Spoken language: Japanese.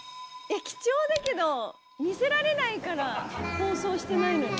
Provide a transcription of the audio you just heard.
えっ貴重だけど見せられないから放送してないのに。